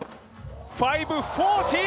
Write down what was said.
５４０